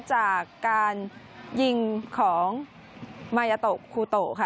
จากการยิงของมายาโตคูโตค่ะ